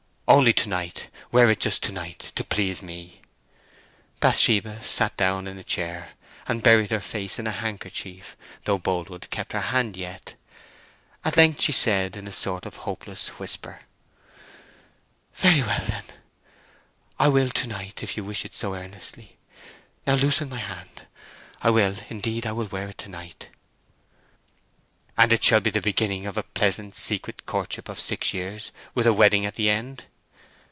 "Only to night: wear it just to night, to please me!" Bathsheba sat down in a chair, and buried her face in her handkerchief, though Boldwood kept her hand yet. At length she said, in a sort of hopeless whisper— "Very well, then, I will to night, if you wish it so earnestly. Now loosen my hand; I will, indeed I will wear it to night." "And it shall be the beginning of a pleasant secret courtship of six years, with a wedding at the end?"